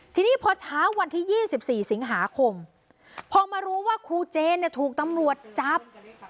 ทีนี้พอเช้าวันที่๒๔สิงหาคมพอมารู้ว่าครูเจนถูกตำรวจจับ